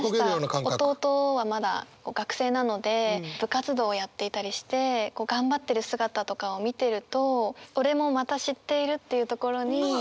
弟はまだ学生なので部活動をやっていたりして頑張ってる姿とかを見てると「おれもまた知っている」っていうところに。